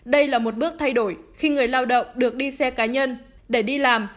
đây là một bước thay đổi khi người lao động được đi xe cá nhân để đi làm